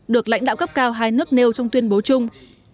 được lãnh đạo cấp cao hai nước nêu trong tuyên bố chung